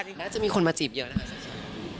น่าจะมีคนมาจีบเยอะนะคะ